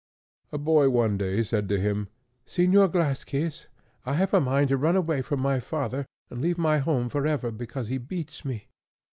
A boy one day said to him, "Señor Glasscase, I have a mind to run away from my father, and leave my home for ever, because he beats me."